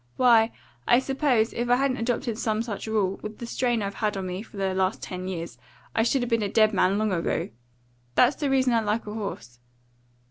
Why, I suppose, if I hadn't adopted some such rule, with the strain I've had on me for the last ten years, I should 'a' been a dead man long ago. That's the reason I like a horse.